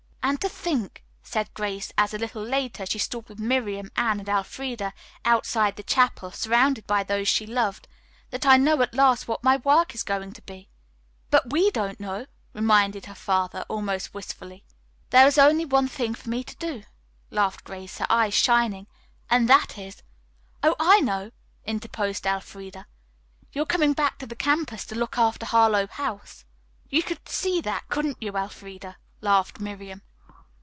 "And to think," said Grace, as, a little later, she stood with Miriam, Anne and Elfreda outside the chapel, surrounded by those she loved, "that I know at last what my work is going to be." "But we don't know," reminded her father, almost wistfully. "There is only one thing for me to do," laughed Grace, her eyes shining, "and that is " "Oh, I know," interposed Elfreda, "you're coming back to the campus to look after Harlowe House." "You could see that, couldn't you, Elfreda?" laughed Miriam.